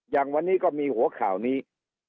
อย่างวันนี้ก็มีหัวข่าวนี้